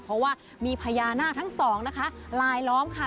เพราะว่ามีพญานาคทั้งสองนะคะลายล้อมค่ะ